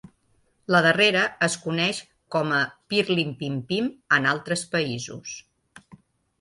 La darrera es coneix com a "Pirlimpimpim" en altres països.